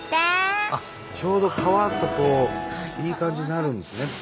ちょうど川とこういい感じになるんですね。